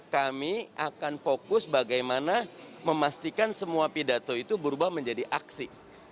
kami akan fokus bagaimana memastikan semua pidato itu berubah menjadi aksi